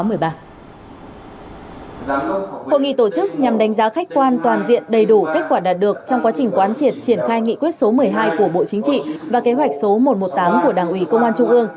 hội nghị tổ chức nhằm đánh giá khách quan toàn diện đầy đủ kết quả đạt được trong quá trình quán triệt triển khai nghị quyết số một mươi hai của bộ chính trị và kế hoạch số một trăm một mươi tám của đảng ủy công an trung ương